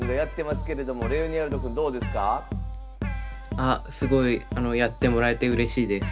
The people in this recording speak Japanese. すごいやってもらえて、うれしいです。